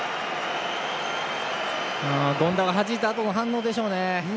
権田がはじいたあとの反応でしょうね。